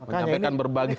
menyampaikan berbagai hal